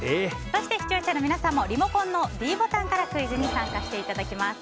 そして視聴者の皆さんもリモコンのｄボタンからクイズに参加していただきます。